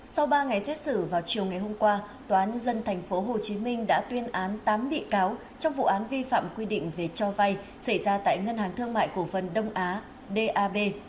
sau ba ngày xét xử vào chiều ngày hôm qua tòa án dân thành phố hồ chí minh đã tuyên án tám bị cáo trong vụ án vi phạm quy định về cho vay xảy ra tại ngân hàng thương mại cổ vân đông á d a b